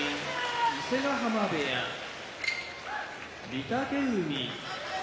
伊勢ヶ濱部屋御嶽海